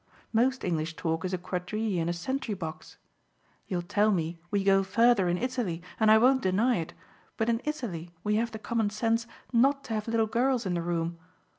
Most English talk is a quadrille in a sentry box. You'll tell me we go further in Italy, and I won't deny it, but in Italy we have the common sense not to have little girls in the room.